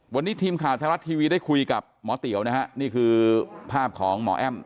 วันนี้ทีมข่าวไทยรัฐทีวีได้คุยกับหมอเตี๋ยวนะฮะนี่คือภาพของหมอแอ้ม